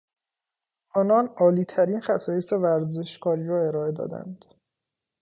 آنان عالی ترین خصایص ورزشکاری را ارائه دادند.